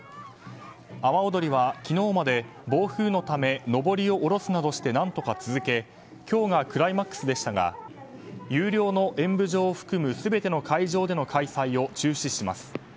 阿波おどりは昨日まで暴風のためのぼりを下すなどして何とか続け今日がクライマックスでしたが有料の演舞場を含む全ての会場での開催を中止します。